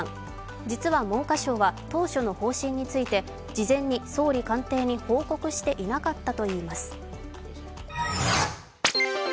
実は文科省は当初の方針について、事前に総理官邸に報告していなかったといいます。